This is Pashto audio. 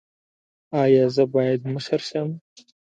ایا زه باید مشر شم؟